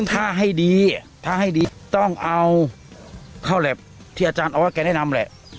ถ้าให้ดีถ้าให้ดีต้องเอาเข้าแล็บที่อาจารย์ออสแกแนะนำแหละ